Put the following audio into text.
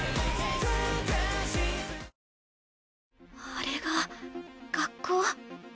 あれが学校。